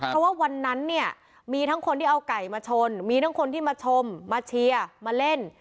เพราะว่าวันนั้นเนี่ยมีทั้งคนที่เอาไก่มาชนมีทั้งคนที่มาชมมาเชียร์มาเล่น